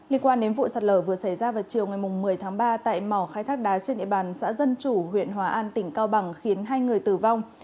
liên quan đến vụ sạt lở vừa xảy ra vào chiều ngày một mươi tháng ba tại mỏ khai thác đá trên địa bàn xã dân chủ huyện hòa an tỉnh cao bằng khiến hai người tử vong